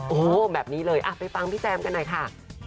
โอ้โหแบบนี้เลยไปฟังพี่แซมกันหน่อยค่ะ